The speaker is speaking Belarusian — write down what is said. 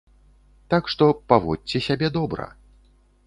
Так што, паводзьце сябе добра.